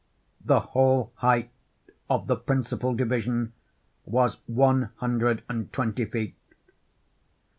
The whole height of the principal division was one hundred and twenty feet.